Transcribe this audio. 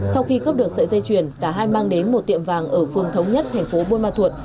sau khi cướp được sợi dây chuyền cả hai mang đến một tiệm vàng ở phương thống nhất thành phố buôn ma thuột